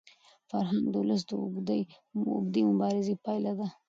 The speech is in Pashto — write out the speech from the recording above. فرهنګ د ولس د اوږدې مبارزې پایله ده.